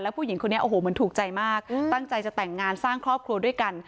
ผู้หญิงคนนี้โอ้โหเหมือนถูกใจมากตั้งใจจะแต่งงานสร้างครอบครัวด้วยกัน